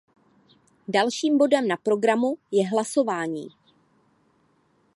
Dalším bodem na programu je hlasování.